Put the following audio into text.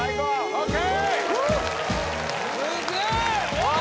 ＯＫ！